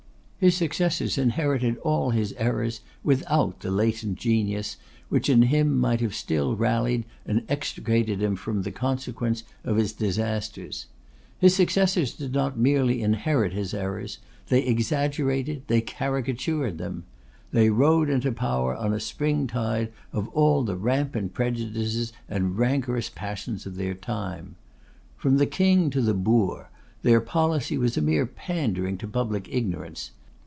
His successors inherited all his errors without the latent genius, which in him might have still rallied and extricated him from the consequences of his disasters. His successors did not merely inherit his errors; they exaggerated, they caricatured them. They rode into power on a springtide of all the rampant prejudices and rancorous passions of their time. From the King to the boor their policy was a mere pandering to public ignorance.